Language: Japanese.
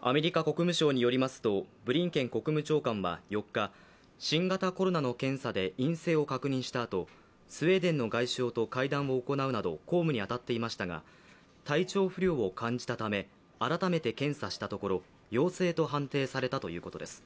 アメリカ国務省によりますと、ブリンケン国務長官は４日、新型コロナの検査で陰性を確認したあとスウェーデンの外相と会談を行うなど公務に当たっていましたが、体調不良を感じたため改めて検査したところ陽性と判定されたということです。